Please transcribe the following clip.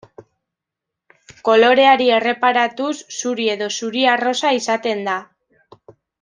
Koloreari erreparatuz, zuri edo zuri-arrosa izaten da.